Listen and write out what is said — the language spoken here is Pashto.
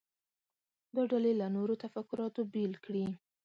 دا ډلې له نورو تفکراتو بیل کړي.